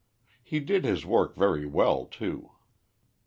He did his work very well, too.